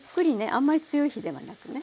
あんまり強い火ではなくね。